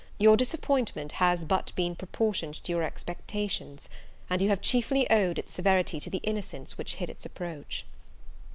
Your disappointment has but been proportioned to your expectations, and you have chiefly owed its severity to the innocence which hid its approach."